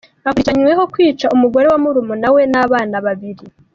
Akurikiranyweho kwica umugore wa murumuna we n’abana babiri